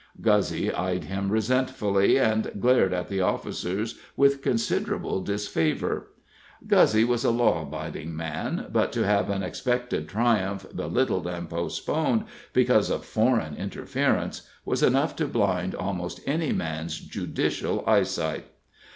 Guzzy eyed him resentfully, and glared at the officers with considerable disfavor. Guzzy was a law abiding man, but to have an expected triumph belittled and postponed because of foreign interference was enough to blind almost any man's judicial eyesight.